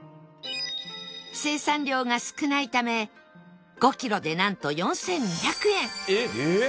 生産量が少ないため５キロでなんと４２００円えっ！？